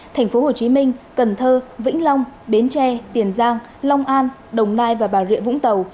thành phố hồ chí minh cần thơ vĩnh long bến tre tiền giang long an đồng nai và bà rịa vũng tàu